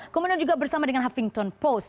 kemudian juga bersama dengan havington post